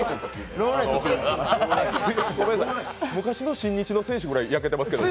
昔の新日の選手くらい焼けてますけど。